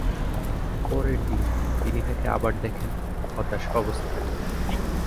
পরের দিন, তিনি তাকে আবার দেখেন, হতাশ অবস্থায়।